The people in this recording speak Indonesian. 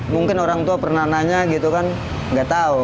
mungkin orang tua pernah nanya gitu kan nggak tahu